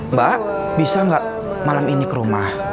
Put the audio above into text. mbak bisa nggak malam ini ke rumah